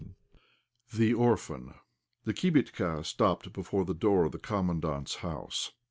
THE ORPHAN. The "kibitka" stopped before the door of the Commandant's house.